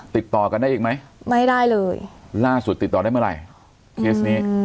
ติดต่อกันได้อีกไหมไม่ได้เลยล่าสุดติดต่อได้เมื่อไหร่เคสนี้